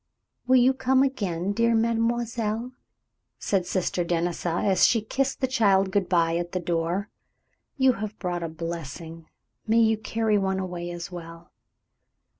"You will come again, dear mademoiselle," said Sister Denisa, as she kissed the child good by at the door. "You have brought a blessing, may you carry one away as well!"